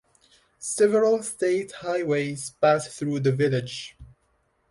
Several state highways pass through the village.